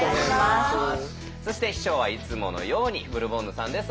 そして秘書はいつものようにブルボンヌさんです。